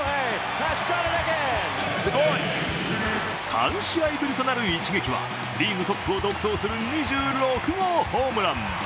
３試合ぶりとなる一撃はリーグトップを独走する２６号ホームラン。